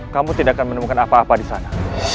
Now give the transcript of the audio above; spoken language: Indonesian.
kamu tidak akan menemukan apa apa disana